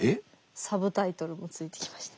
サブタイトルもついてきました。